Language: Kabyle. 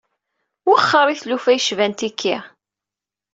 Wexxer i tlufa yecban tiki.